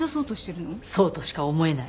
そうとしか思えない。